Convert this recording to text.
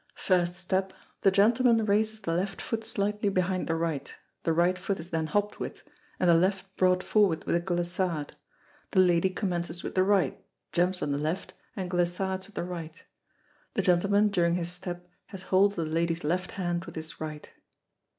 First step. The gentleman raises the left foot slightly behind the right, the right foot is then hopped with, and the left brought forward with a glissade. The lady commences with the right, jumps on the left, and glissades with the right. The gentleman during his step has hold of the lady's left hand with his right.